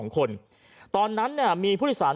๒คนตอนนั้นมีผู้ทิสาร